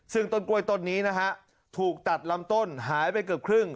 ซึ่งต้นกล้วยต้นนี้นะฮะถูกตัดลำต้นหายไปเกือบครึ่ง